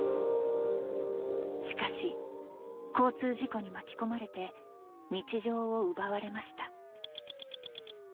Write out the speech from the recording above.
しかし交通事故に巻き込まれて日常を奪われました